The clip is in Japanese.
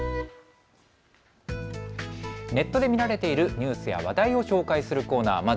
ネットで見られているニュースや話題を紹介するコーナー。